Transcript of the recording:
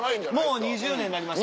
もう２０年になりました。